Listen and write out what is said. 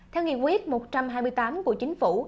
theo nghị quyết một trăm hai mươi tám của chính phủ